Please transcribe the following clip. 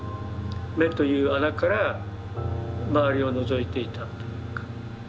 目という穴から周りをのぞいていたというか。